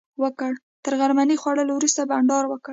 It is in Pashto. تر غرمنۍ خوړلو وروسته بانډار وکړ.